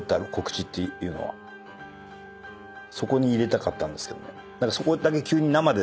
そこに入れたかったんですけどね。